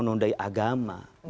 bukan kami ikut pada politik